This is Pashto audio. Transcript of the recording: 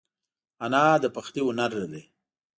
انا د پخلي هنر لري